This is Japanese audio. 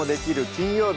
金曜日」